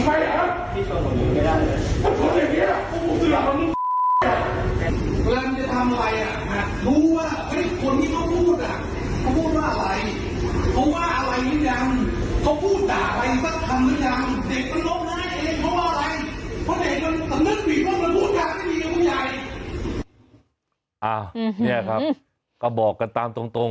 นี่ครับก็บอกกันตามตรง